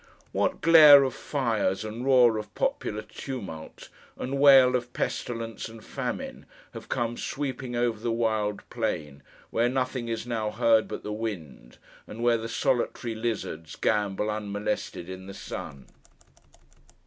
What glare of fires, and roar of popular tumult, and wail of pestilence and famine, have come sweeping over the wild plain where nothing is now heard but the wind, and where the solitary lizards gambol unmolested in the sun!